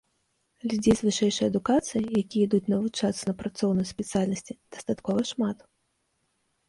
Людзей з вышэйшай адукацыяй, якія ідуць навучацца на працоўныя спецыяльнасці дастаткова шмат.